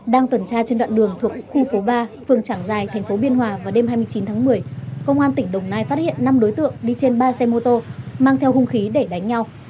đang tuần tra trên đoạn đường thuộc khu phố ba phường trảng giài thành phố biên hòa vào đêm hai mươi chín tháng một mươi công an tỉnh đồng nai phát hiện năm đối tượng đi trên ba xe mô tô mang theo hung khí để đánh nhau